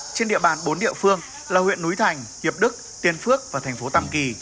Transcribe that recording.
trên địa bàn bốn địa phương là huyện núi thành hiệp đức tiên phước và thành phố tam kỳ